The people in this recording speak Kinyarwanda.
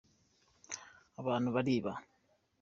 abantu bariba.